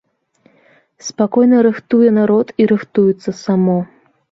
Спакойна рыхтуе народ і рыхтуецца само.